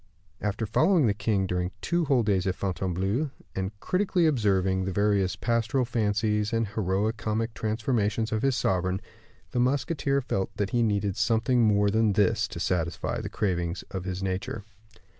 After following the king during two whole days at Fontainebleau, and critically observing the various pastoral fancies and heroi comic transformations of his sovereign, the musketeer felt that he needed something more than this to satisfy the cravings of his nature.